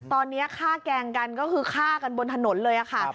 ตอนนี้ฆ่าแกล้งกันก็คือฆ่ากันบนถนนเลยค่ะ